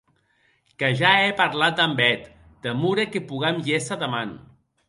Que ja è parlat damb eth; demore que pogam gésser deman.